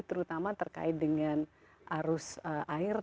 terutama terkait dengan arus air